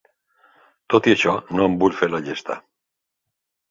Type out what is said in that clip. Tot i això, no em vull fer la llesta.